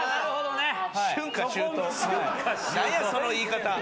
何やその言い方。